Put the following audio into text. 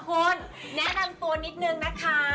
คุณแนะนำตัวนิดนึงนะคะ